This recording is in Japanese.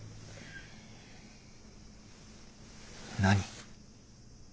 何？